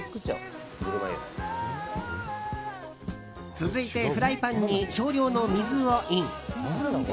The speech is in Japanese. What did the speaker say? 続いてフライパンに少量の水をイン。